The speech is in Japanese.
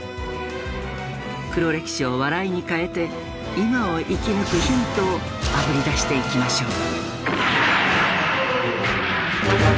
黒歴史を笑いに変えて今を生き抜くヒントをあぶり出していきましょう。